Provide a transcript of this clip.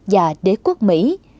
và đế quốc mỹ